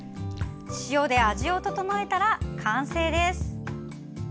塩で味を調えたら完成です。